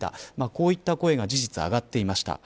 こういった声が事実上がっていました。